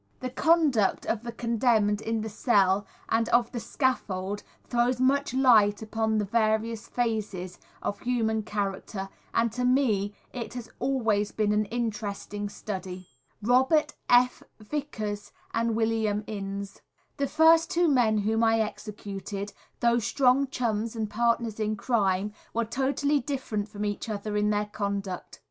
The conduct of the condemned in the cell and on the scaffold throws much light upon the various phases of human character, and to me it has always been an interesting study. Robert F. Vickers and William Innes. The first two men whom I executed, though strong chums and partners in crime, were totally different from each other in their conduct.